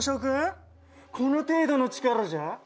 この程度の力じゃあ